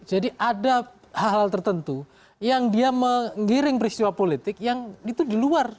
jadi ada hal hal tertentu yang dia menggiring peristiwa politik yang itu di luar